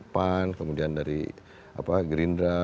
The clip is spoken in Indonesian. pan kemudian dari gerindra